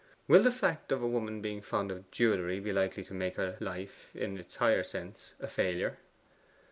'Will the fact of a woman being fond of jewellery be likely to make her life, in its higher sense, a failure?